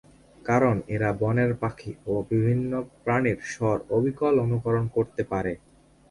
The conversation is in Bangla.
কারণ এরা বনের পাখি ও বিভিন্ন প্রাণীর স্বর অবিকল অনুকরণ করতে পারে।